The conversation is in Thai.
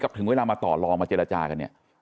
ถึงเวลามาต่อลองมาเจรจากันเนี่ย